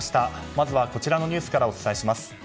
まずは、こちらのニュースからお伝えします。